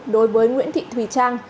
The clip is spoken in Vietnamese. đối với nguyễn thị thùy trang